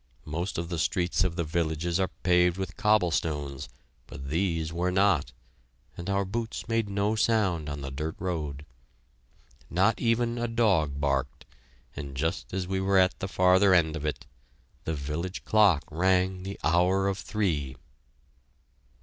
Most of the streets of the villages are paved with cobblestones, but these were not, and our boots made no sound on the dirt road. Not even a dog barked, and just as we were at the farther end of it, the village clock rang the hour of three!